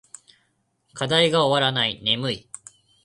課題が終わらない。眠い。